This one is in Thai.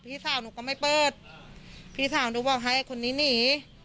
พี่สาวหนูก็ไม่เปิดพี่สาวหนูบอกให้ไอ้คนนี้หนี